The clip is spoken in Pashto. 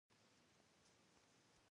کمې خبرې، لوی اثر لري.